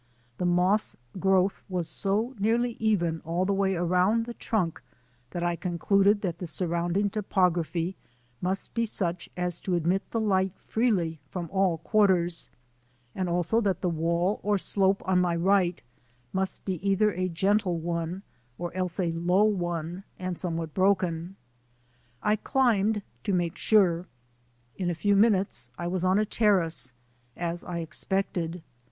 The moss growth was so nearly even all the way around the trunk that I concluded that the surrounding topog raphy must be such as to admit the light freely from all quarters, and also that the wall or slope on my right must be either a gentle one or else a low one and somewhat broken. I climbed to make sure. In a few minutes I was on a terrace — as I expected.